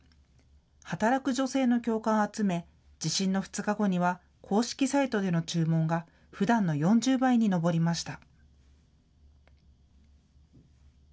働く女性の共感を集め、地震の２日後には公式サイトでの注文がふだんの４０倍に上りました。